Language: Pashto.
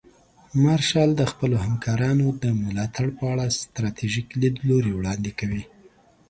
مارشال د خپلو همکارانو د ملاتړ په اړه ستراتیژیک لیدلوري وړاندې کوي.